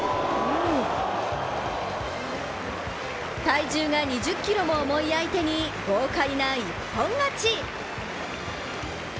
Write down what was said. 体重が２０ｋｇも重い相手に豪華な一本勝ち。